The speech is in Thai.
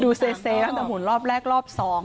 ดูเซ่ตั้งแต่รอบแรกรอบ๒